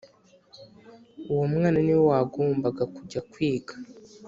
uwo mwana niwe wagombaga kujya kwiga.